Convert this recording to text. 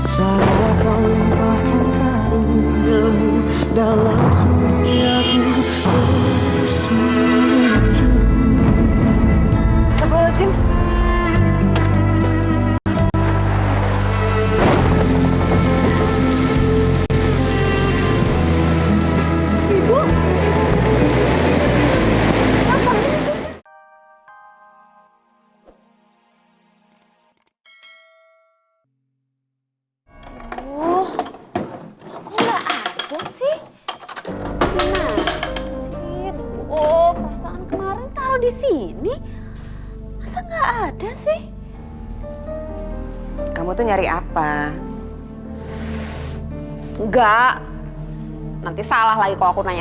sampai jumpa di video selanjutnya